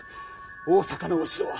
大坂のお城は？